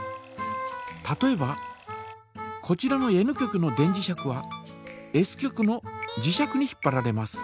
例えばこちらのＮ極の電磁石はＳ極の磁石に引っぱられます。